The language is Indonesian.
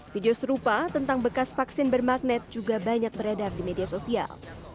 video serupa tentang bekas vaksin bermagnet juga banyak beredar di media sosial